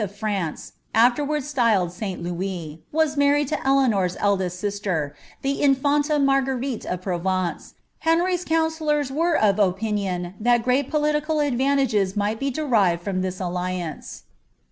of France (afterwards styled Si Louis) « Rlcanor'a eldest sister, the infanta Mar^crite of Provence, HemyV sellurs were of opinion that great political advantages might on d from (his alliance.